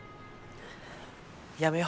やめよ。